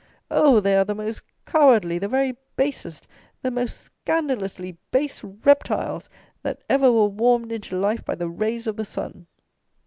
Oh! they are the most cowardly, the very basest, the most scandalously base reptiles that ever were warmed into life by the rays of the sun!